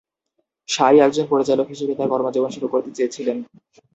সাই একজন পরিচালক হিসেবে তার কর্মজীবন শুরু করতে চেয়েছিলেন।